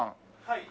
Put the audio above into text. はい。